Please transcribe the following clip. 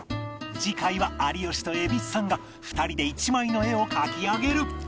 次回は有吉と蛭子さんが２人で１枚の絵を描き上げる